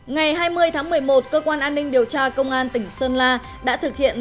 ngày hai mươi tháng một mươi một cơ quan an ninh điều tra công an tỉnh sơn la đã thực hiện